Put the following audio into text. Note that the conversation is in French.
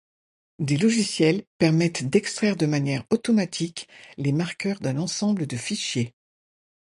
Des logiciels permettent d'extraire de manière automatique les marqueurs d'un ensemble de fichiers.